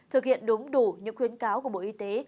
thực hiện đúng đủ những khuyến cáo của bộ y tế